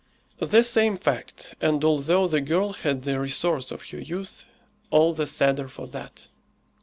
The same fact, and although the girl had the resource of her youth, all the sadder for that!